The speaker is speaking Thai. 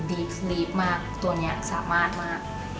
ลีฟมากตัวนี้สามารถมาก